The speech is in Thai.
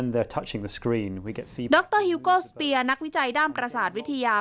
ดรฮิวโก้สเปียร์นักวิจัยด้ามกราศาสตร์วิทยา